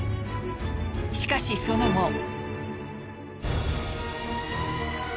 しかしその後。